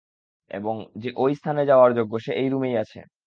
এবং যে ওই স্থানে যাওয়ার যোগ্য সে এই রুমেই আছে।